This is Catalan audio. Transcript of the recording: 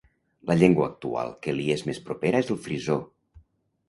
La llengua actual que li és més propera és el frisó.